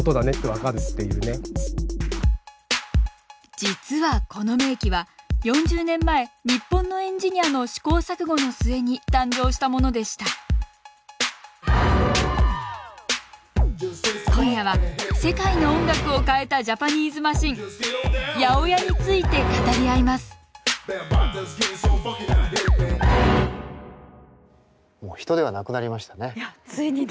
実はこの名機は４０年前日本のエンジニアの試行錯誤の末に誕生したものでした今夜は世界の音楽を変えたジャパニーズマシン８０８について語り合います人ではなくなりましたね。